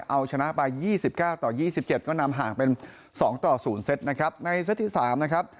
เอาชนะไป๒๙ต่อ๒๗ก็นำห่างเป็น๒ต่อ๐เซตนะครับในเซตที่๓นะครับ